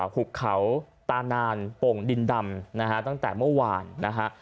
หุบเขาตานานโป่งดินดำนะฮะตั้งแต่เมื่อวานนะฮะ